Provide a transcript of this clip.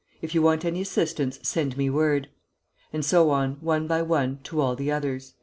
If you want any assistance, send me word.' And so on, one by one, to all the others."